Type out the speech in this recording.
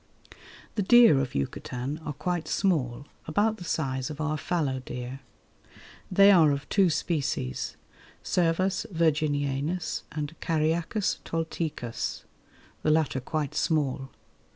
The deer of Yucatan are quite small, about the size of our fallow deer. They are of two species, Cervus virginianus and Cariacas toltecus, the latter quite small.